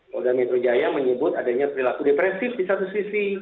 polda metro jaya menyebut adanya perilaku depresif di satu sisi